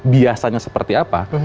biasanya seperti apa